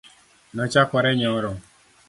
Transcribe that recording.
Nochakore nyoro.